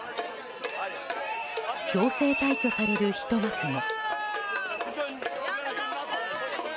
強制退去されるひと幕も。